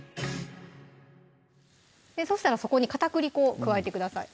そしたらそこに片栗粉を加えてください